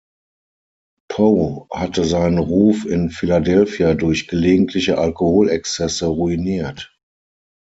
Poe hatte seinen Ruf in Philadelphia durch gelegentliche Alkoholexzesse ruiniert.